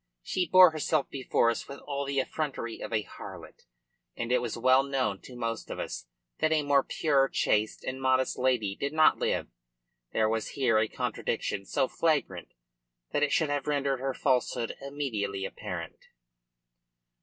She bore herself before us with all the effrontery of a harlot; and it was well known to most of us that a more pure, chaste, and modest lady did not live. There was here a contradiction so flagrant that it should have rendered her falsehood immediately apparent."